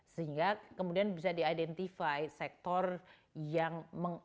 sehingga kemudian bisa diidentified sektor yang